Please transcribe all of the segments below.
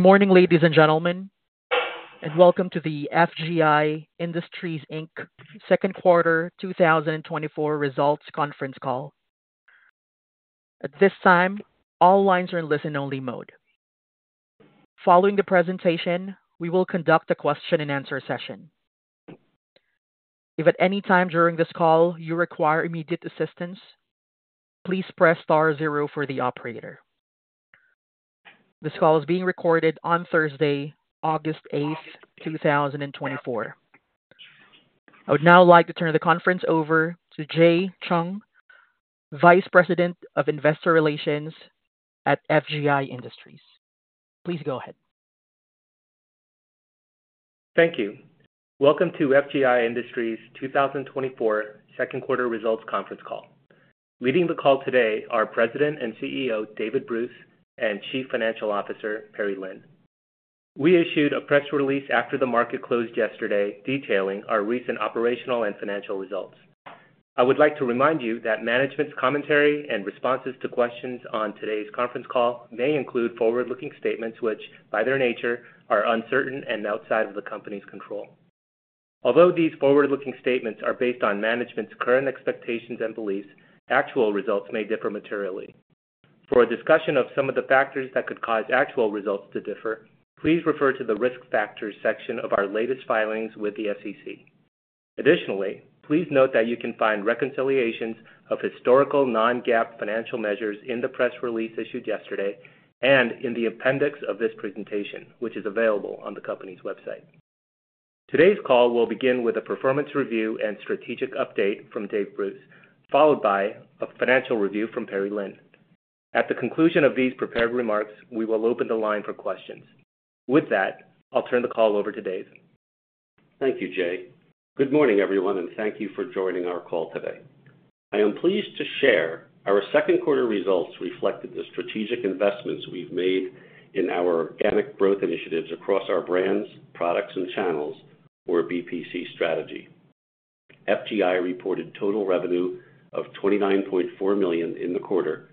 Good morning, ladies and gentlemen, and welcome to the FGI Industries Inc.'s second quarter 2024 results conference call. At this time, all lines are in listen-only mode. Following the presentation, we will conduct a question-and-answer session. If at any time during this call you require immediate assistance, please press star zero for the operator. This call is being recorded on Thursday, August 8, 2024. I would now like to turn the conference over to Jae Chung, Vice President of Investor Relations at FGI Industries. Please go ahead. Thank you. Welcome to FGI Industries' 2024 second quarter results conference call. Leading the call today are President and CEO, David Bruce, and Chief Financial Officer, Perry Lin. We issued a press release after the market closed yesterday, detailing our recent operational and financial results. I would like to remind you that management's commentary and responses to questions on today's conference call may include forward-looking statements, which, by their nature, are uncertain and outside of the company's control. Although these forward-looking statements are based on management's current expectations and beliefs, actual results may differ materially. For a discussion of some of the factors that could cause actual results to differ, please refer to the Risk Factors section of our latest filings with the SEC. Additionally, please note that you can find reconciliations of historical non-GAAP financial measures in the press release issued yesterday and in the appendix of this presentation, which is available on the company's website. Today's call will begin with a performance review and strategic update from David Bruce, followed by a financial review from Perry Lin. At the conclusion of these prepared remarks, we will open the line for questions. With that, I'll turn the call over to David. Thank you, Jae. Good morning, everyone, and thank you for joining our call today. I am pleased to share our second quarter results reflected the strategic investments we've made in our organic growth initiatives across our brands, products, and channels or BPC strategy. FGI reported total revenue of $29.4 million in the quarter,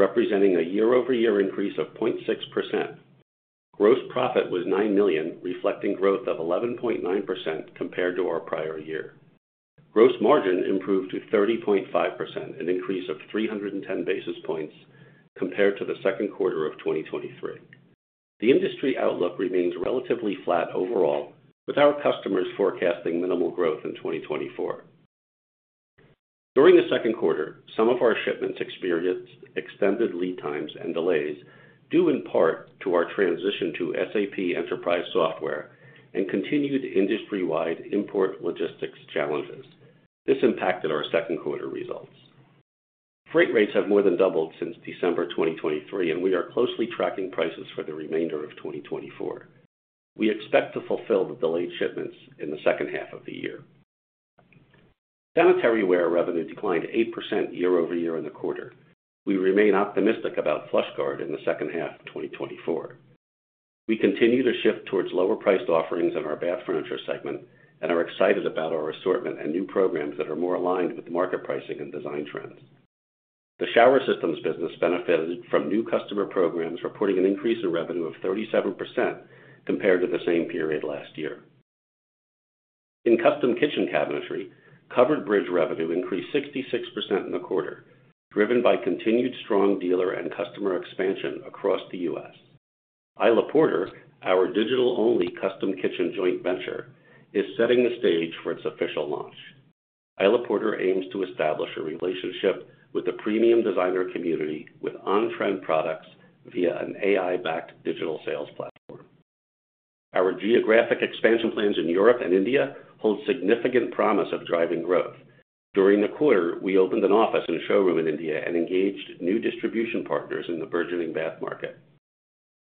representing a year-over-year increase of 0.6%. Gross profit was $9 million, reflecting growth of 11.9% compared to our prior year. Gross margin improved to 30.5%, an increase of 310 basis points compared to the second quarter of 2023. The industry outlook remains relatively flat overall, with our customers forecasting minimal growth in 2024. During the second quarter, some of our shipments experienced extended lead times and delays, due in part to our transition to SAP enterprise software and continued industry-wide import logistics challenges. This impacted our second quarter results. Freight rates have more than doubled since December 2023, and we are closely tracking prices for the remainder of 2024. We expect to fulfill the delayed shipments in the second half of the year. Sanitaryware revenue declined 8% year-over-year in the quarter. We remain optimistic about Flush Guard in the second half of 2024. We continue to shift towards lower-priced offerings in our bath furniture segment and are excited about our assortment and new programs that are more aligned with market pricing and design trends. The shower systems business benefited from new customer programs, reporting an increase in revenue of 37% compared to the same period last year. In custom kitchen cabinetry, Covered Bridge revenue increased 66% in the quarter, driven by continued strong dealer and customer expansion across the U.S. Isla Porter, our digital-only custom kitchen joint venture, is setting the stage for its official launch. Isla Porter aims to establish a relationship with the premium designer community with on-trend products via an AI-backed digital sales platform. Our geographic expansion plans in Europe and India hold significant promise of driving growth. During the quarter, we opened an office and a showroom in India and engaged new distribution partners in the burgeoning bath market.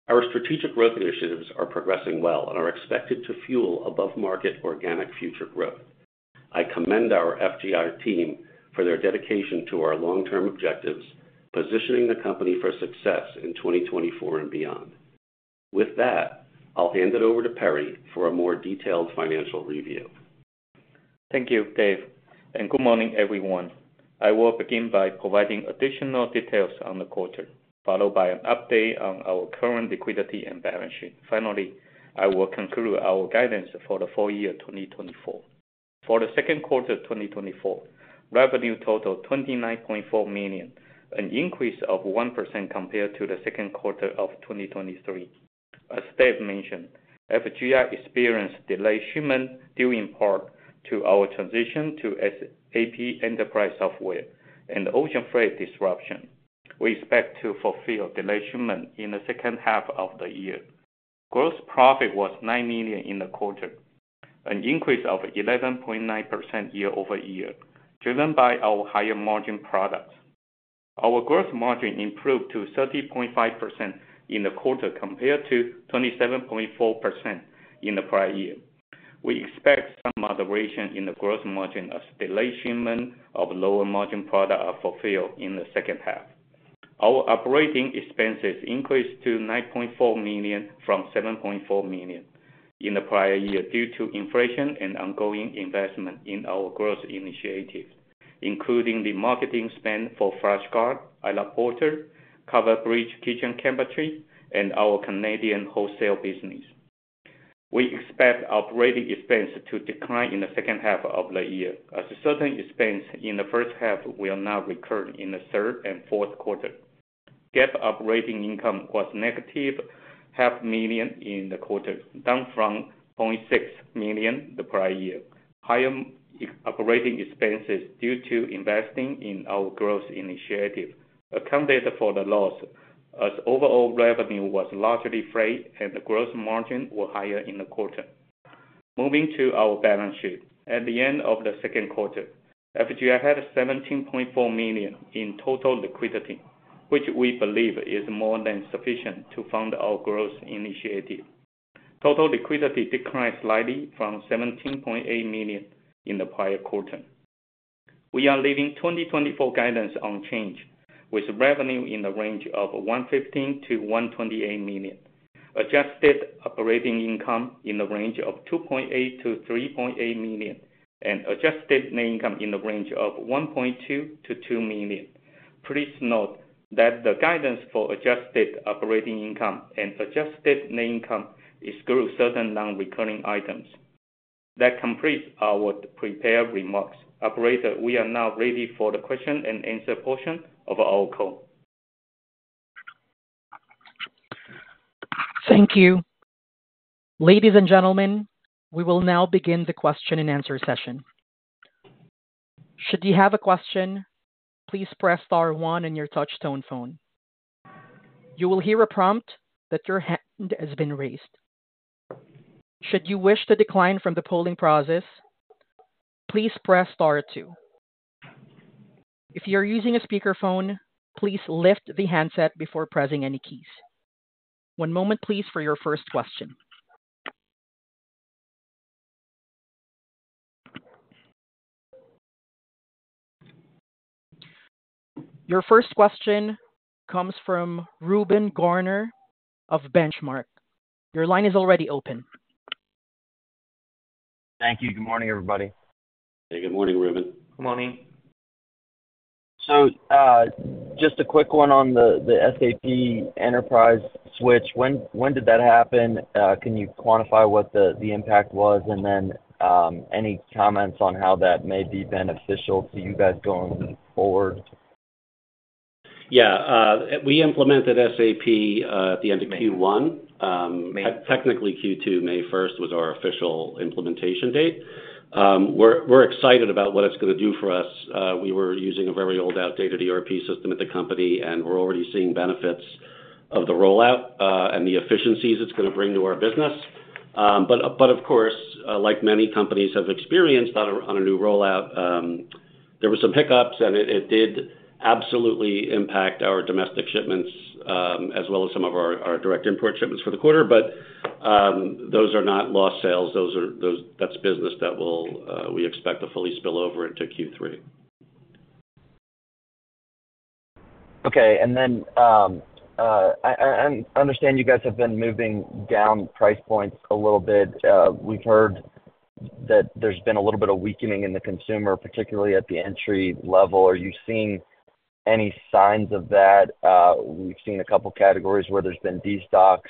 Our strategic growth initiatives are progressing well and are expected to fuel above-market organic future growth. I commend our FGI team for their dedication to our long-term objectives, positioning the company for success in 2024 and beyond. With that, I'll hand it over to Perry for a more detailed financial review. Thank you, Dave, and good morning, everyone. I will begin by providing additional details on the quarter, followed by an update on our current liquidity and balance sheet. Finally, I will conclude our guidance for the full year 2024. For the second quarter of 2024, revenue totaled $29.4 million, an increase of 1% compared to the second quarter of 2023. As Dave mentioned, FGI experienced delayed shipment, due in part to our transition to SAP enterprise software and ocean freight disruption. We expect to fulfill delayed shipment in the second half of the year. Gross profit was $9 million in the quarter, an increase of 11.9% year-over-year, driven by our higher-margin products. Our gross margin improved to 30.5% in the quarter, compared to 27.4% in the prior year. We expect some moderation in the gross margin as delayed shipment of lower-margin product are fulfilled in the second half. Our operating expenses increased to $9.4 million from $7.4 million in the prior year, due to inflation and ongoing investment in our growth initiatives including the marketing spend for Flush Guard, Isla Porter, Covered Bridge kitchen cabinetry, and our Canadian wholesale business. We expect operating expense to decline in the second half of the year, as certain expense in the first half will now recur in the third and fourth quarter. GAAP operating income was -$0.5 million in the quarter, down from $0.6 million the prior year. Higher operating expenses due to investing in our growth initiative accounted for the loss, as overall revenue was largely flat and the gross margin were higher in the quarter. Moving to our balance sheet. At the end of the second quarter, FGI had $17.4 million in total liquidity, which we believe is more than sufficient to fund our growth initiative. Total liquidity declined slightly from $17.8 million in the prior quarter. We are leaving 2024 guidance unchanged, with revenue in the range of $115 million-$128 million. Adjusted operating income in the range of $2.8 million-$3.8 million, and adjusted net income in the range of $1.2 million-$2 million. Please note that the guidance for adjusted operating income and adjusted net income exclude certain non-recurring items. That completes our prepared remarks. Operator, we are now ready for the question and answer portion of our call. Thank you. Ladies and gentlemen, we will now begin the question-and-answer session. Should you have a question, please press star one on your touchtone phone. You will hear a prompt that your hand has been raised. Should you wish to decline from the polling process, please press star two. If you're using a speakerphone, please lift the handset before pressing any keys. One moment, please, for your first question. Your first question comes from Reuben Garner of Benchmark. Your line is already open. Thank you. Good morning, everybody. Hey, good morning, Reuben. Good morning. So, just a quick one on the SAP enterprise switch. When did that happen? Can you quantify what the impact was? And then, any comments on how that may be beneficial to you guys going forward? Yeah, we implemented SAP at the end of Q1. Technically, Q2, May 1, was our official implementation date. We're, we're excited about what it's gonna do for us. We were using a very old, outdated ERP system at the company, and we're already seeing benefits of the rollout, and the efficiencies it's gonna bring to our business. But, but of course, like many companies have experienced on a new rollout, there were some hiccups, and it did absolutely impact our domestic shipments, as well as some of our, our direct import shipments for the quarter. But, those are not lost sales. Those are. Those, that's business that will, we expect to fully spill over into Q3. Okay. And then, I understand you guys have been moving down price points a little bit. We've heard that there's been a little bit of weakening in the consumer, particularly at the entry level. Are you seeing any signs of that? We've seen a couple of categories where there's been destocks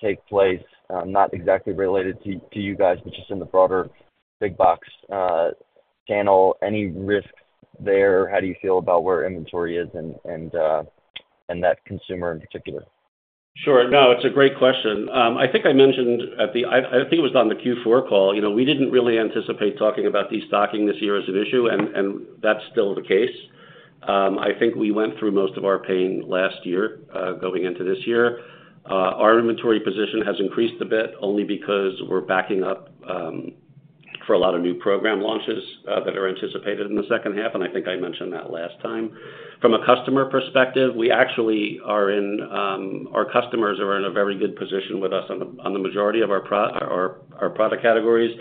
take place, not exactly related to you guys, but just in the broader big box channel. Any risk there? How do you feel about where inventory is and that consumer in particular? Sure. No, it's a great question. I think I mentioned at the—I think it was on the Q4 call, you know, we didn't really anticipate talking about destocking this year as an issue, and that's still the case. I think we went through most of our pain last year, going into this year. Our inventory position has increased a bit, only because we're backing up for a lot of new program launches that are anticipated in the second half, and I think I mentioned that last time. From a customer perspective, we actually are in... Our customers are in a very good position with us on the majority of our product categories.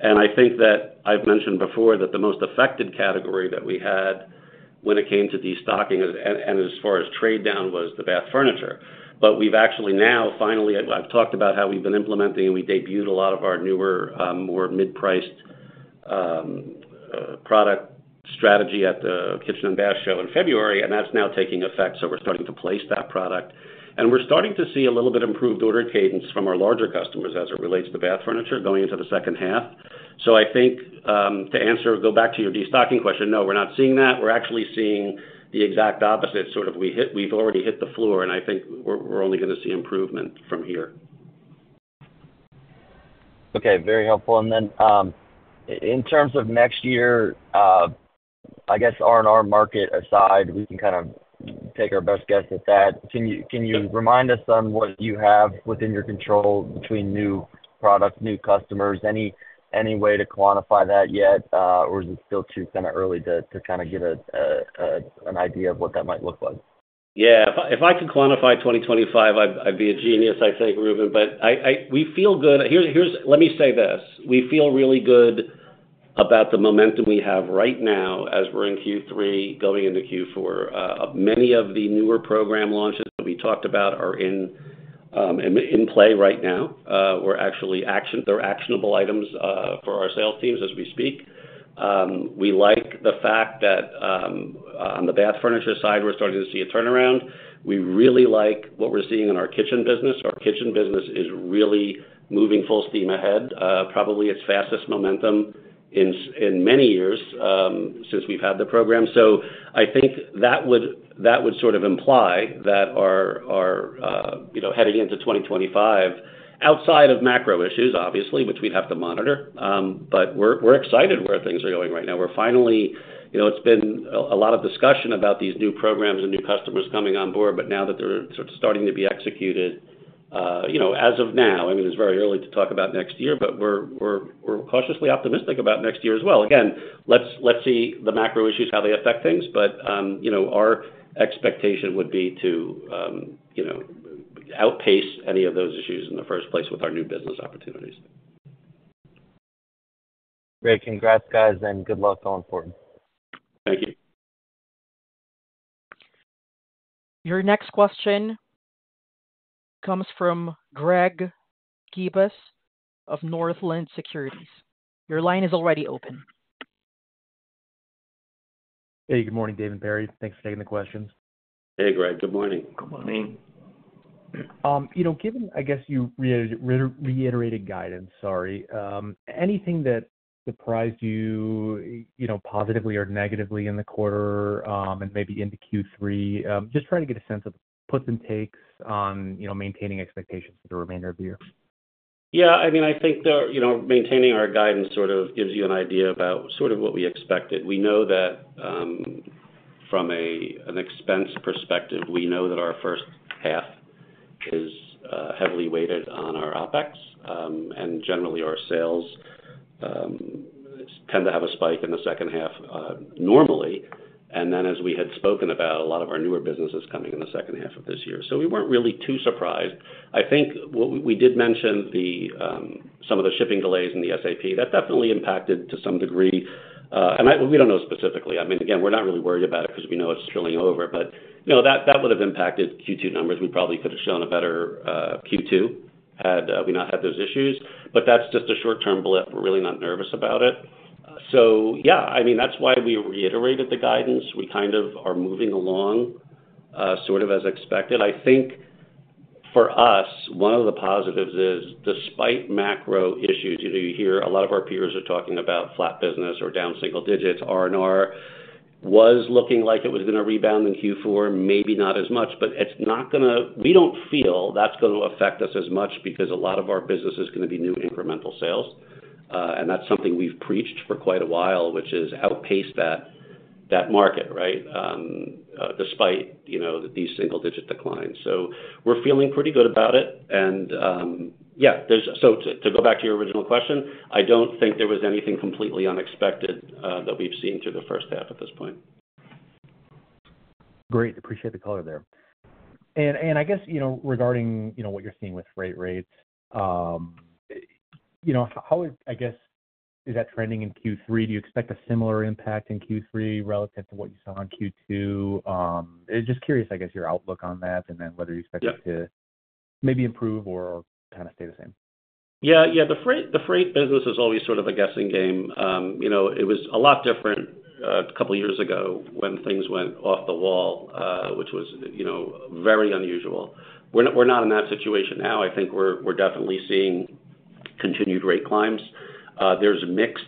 And I think that I've mentioned before that the most affected category that we had when it came to destocking and, as far as trade down, was the bath furniture. But we've actually now, finally, I've talked about how we've been implementing, and we debuted a lot of our newer, more mid-priced, product strategy at the Kitchen and Bath Show in February, and that's now taking effect, so we're starting to place that product. And we're starting to see a little bit improved order cadence from our larger customers as it relates to bath furniture going into the second half. So I think, to answer, go back to your destocking question, no, we're not seeing that. We're actually seeing the exact opposite. We've already hit the floor, and I think we're only gonna see improvement from here. Okay, very helpful. And then, in terms of next year, I guess R&R market aside, we can kind of take our best guess at that. Can you, can you remind us on what you have within your control between new products, new customers? Any, any way to quantify that yet, or is it still too kind of early to, to kind of get a, an idea of what that might look like? Yeah. If I, if I could quantify 2025, I'd, I'd be a genius, I think, Reuben. But I. We feel good. Here's. Let me say this, we feel really good about the momentum we have right now as we're in Q3, going into Q4. Many of the newer program launches that we talked about are in play right now. We're actually. They're actionable items for our sales teams as we speak. We like the fact that, on the bath furniture side, we're starting to see a turnaround. We really like what we're seeing in our kitchen business. Our kitchen business is really moving full steam ahead, probably its fastest momentum in many years, since we've had the program. So I think that would, that would sort of imply that our, our, you know, heading into 2025, outside of macro issues, obviously, which we'd have to monitor, but we're, we're excited where things are going right now. We're finally, you know, it's been a lot of discussion about these new programs and new customers coming on board, but now that they're sort of starting to be executed, you know, as of now, I mean, it's very early to talk about next year, but we're, we're, we're cautiously optimistic about next year as well. Again, let's, let's see the macro issues, how they affect things, but, you know, our expectation would be to, you know, outpace any of those issues in the first place with our new business opportunities. Great. Congrats, guys, and good luck going forward. Thank you. Your next question comes from Greg Gibas of Northland Securities. Your line is already open. Hey, good morning, David, Perry. Thanks for taking the questions. Hey, Greg. Good morning. Good morning. You know, given, I guess, you reiterated guidance, sorry, anything that surprised you, you know, positively or negatively in the quarter, and maybe into Q3? Just trying to get a sense of puts and takes on, you know, maintaining expectations for the remainder of the year. Yeah, I mean, I think the, you know, maintaining our guidance sort of gives you an idea about sort of what we expected. We know that from an expense perspective, we know that our first half is heavily weighted on our OpEx, and generally, our sales tend to have a spike in the second half, normally. And then, as we had spoken about, a lot of our newer businesses coming in the second half of this year, so we weren't really too surprised. I think what... We did mention the some of the shipping delays in the SAP. That definitely impacted to some degree, and we don't know specifically. I mean, again, we're not really worried about it because we know it's trailing over, but, you know, that, that would have impacted Q2 numbers. We probably could have shown a better Q2, had we not had those issues, but that's just a short-term blip. We're really not nervous about it. So yeah, I mean, that's why we reiterated the guidance. We kind of are moving along sort of as expected. I think for us, one of the positives is, despite macro issues, you know, you hear a lot of our peers are talking about flat business or down single digits. R&R was looking like it was gonna rebound in Q4, maybe not as much, but it's not gonna... We don't feel that's going to affect us as much because a lot of our business is gonna be new incremental sales. And that's something we've preached for quite a while, which is outpace that, that market, right? Despite, you know, these single-digit declines. So we're feeling pretty good about it. And, yeah, so to go back to your original question, I don't think there was anything completely unexpected, that we've seen through the first half at this point. Great. Appreciate the color there. And I guess, you know, regarding, you know, what you're seeing with freight rates, you know, how is... I guess, is that trending in Q3? Do you expect a similar impact in Q3 relative to what you saw in Q2? Just curious, I guess, your outlook on that, and then whether you expect it- Yeah... to maybe improve or kind of stay the same. Yeah, yeah. The freight, the freight business is always sort of a guessing game. You know, it was a lot different, a couple of years ago when things went off the wall, which was, you know, very unusual. We're not, we're not in that situation now. I think we're, we're definitely seeing continued rate climbs. There's mixed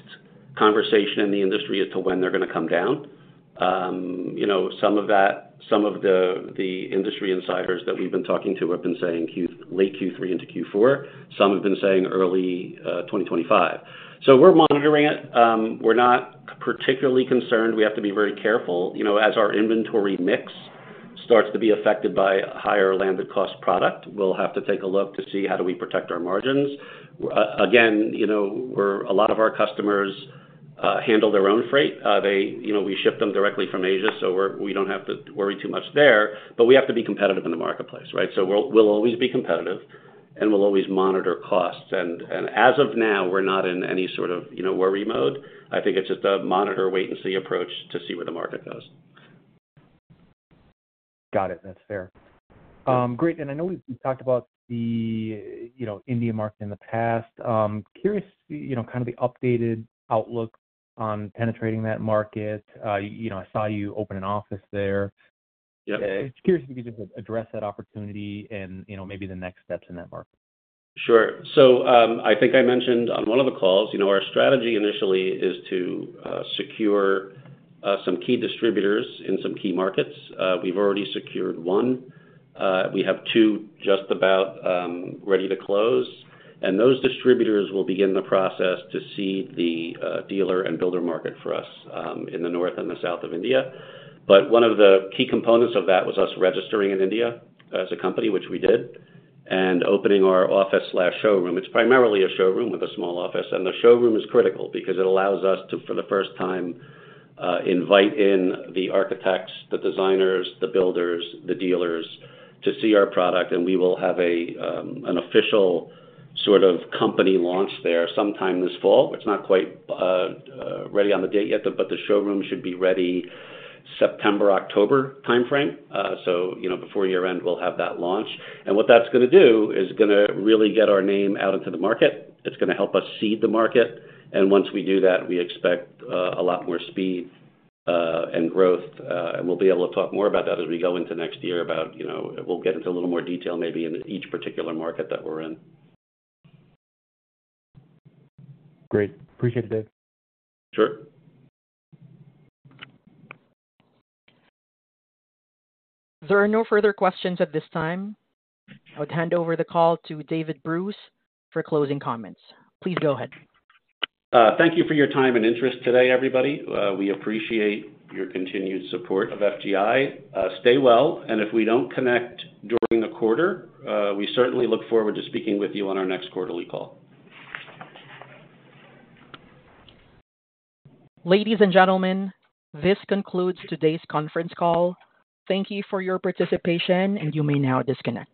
conversation in the industry as to when they're gonna come down. You know, some of that, some of the, the industry insiders that we've been talking to have been saying late Q3 into Q4. Some have been saying early, 2025. So we're monitoring it. We're not particularly concerned. We have to be very careful, you know, as our inventory mix starts to be affected by higher landed cost product. We'll have to take a look to see how do we protect our margins. Again, you know, a lot of our customers handle their own freight. They, you know, we ship them directly from Asia, so we're, we don't have to worry too much there, but we have to be competitive in the marketplace, right? So we'll, we'll always be competitive, and we'll always monitor costs. And, and as of now, we're not in any sort of, you know, worry mode. I think it's just a monitor, wait and see approach to see where the market goes. Got it. That's fair. Great, and I know we've talked about the, you know, Indian market in the past. Curious, you know, kind of the updated outlook on penetrating that market. You know, I saw you open an office there. Yeah. Just curious if you could just address that opportunity and, you know, maybe the next steps in that market? Sure. So, I think I mentioned on one of the calls, you know, our strategy initially is to secure some key distributors in some key markets. We've already secured one. We have two just about ready to close, and those distributors will begin the process to see the dealer and builder market for us in the north and the south of India. But one of the key components of that was us registering in India as a company, which we did, and opening our office/showroom. It's primarily a showroom with a small office, and the showroom is critical because it allows us to, for the first time, invite in the architects, the designers, the builders, the dealers to see our product, and we will have an official sort of company launch there sometime this fall. It's not quite ready on the date yet, but the showroom should be ready September, October timeframe. So, you know, before year-end, we'll have that launch. And what that's gonna do is gonna really get our name out into the market. It's gonna help us seed the market, and once we do that, we expect a lot more speed and growth. And we'll be able to talk more about that as we go into next year, about, you know, we'll get into a little more detail, maybe in each particular market that we're in. Great. Appreciate it, Dave. Sure. There are no further questions at this time. I would hand over the call to David Bruce for closing comments. Please go ahead. Thank you for your time and interest today, everybody. We appreciate your continued support of FGI. Stay well, and if we don't connect during the quarter, we certainly look forward to speaking with you on our next quarterly call. Ladies and gentlemen, this concludes today's conference call. Thank you for your participation, and you may now disconnect.